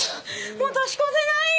もう年越せないよ。